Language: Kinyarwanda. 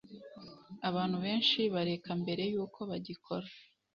Abantu benshi bareka mbere yuko bagikora.